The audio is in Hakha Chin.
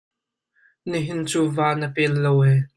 Nihin cu va na pel lo ee.